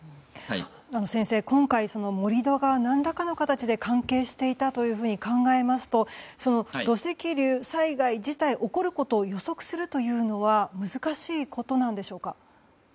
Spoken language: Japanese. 先生、今回盛り土が何らかの形で関係していたと考えますと土石流災害自体が起こることを予測するというのは難しいことなのでしょうか。